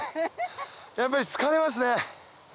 やっぱり疲れますね。